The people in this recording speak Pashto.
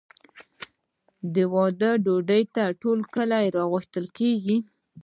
د واده ډوډۍ ته ټول کلی راغوښتل کیږي.